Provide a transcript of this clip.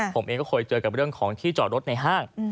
ผมเองก็เคยเจอกับเรื่องของที่จอดรถในห้าง